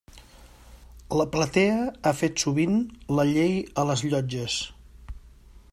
La platea ha fet sovint la llei a les llotges.